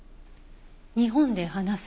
日本で話す。